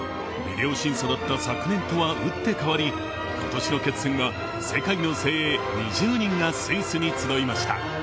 ビデオ審査だった昨年とは打って変わりことしの決戦は世界の精鋭２０人がスイスに集いました。